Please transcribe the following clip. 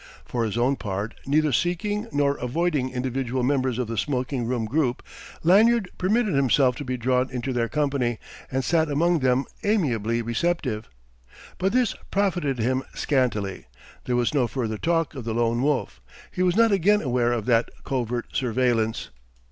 For his own part, neither seeking nor avoiding individual members of the smoking room group, Lanyard permitted himself to be drawn into their company, and sat among them amiably receptive. But this profited him scantily; there was no further talk of the Lone Wolf; he was not again aware of that covert surveillance.